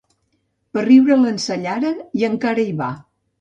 Per riure l'ensellaren i encara hi va.